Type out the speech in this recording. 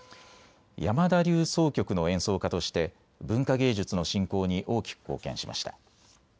山田流箏曲の演奏家として文化芸術の振興に大きく貢献しました。